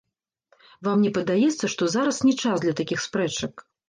Вам не падаецца, што зараз не час для такіх спрэчак?